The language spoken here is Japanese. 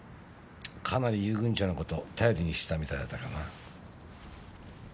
かなり遊軍長の事頼りにしてたみたいだったからな。